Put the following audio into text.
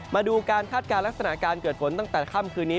มาดูการคาดการณ์ลักษณะการเกิดฝนตั้งแต่ค่ำคืนนี้